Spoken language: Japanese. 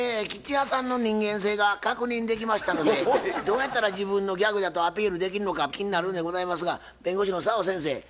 吉弥さんの人間性が確認できましたのでどうやったら自分のギャグやとアピールできんのか気になるんでございますが弁護士の澤先生